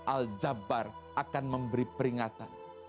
al jabbar akan memberi peringatan